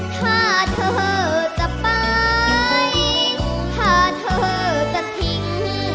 ถ้าเธอจะไปถ้าเธอจะทิ้ง